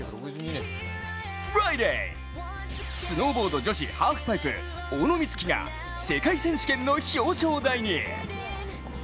フライデー、スノーボード女子ハーフパイプ小野光希が世界選手権の表彰台に。